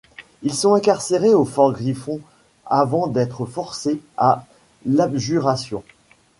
Ils sont incarcérés au fort Griffon avant d'être forcés à l'abjuration.